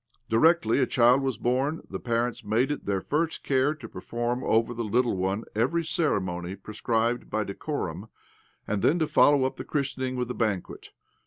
Directly a child was born the parents made it their first care to perform over the little one every ceremony prescribed by decorum, and then to follow up the christening with a banquet.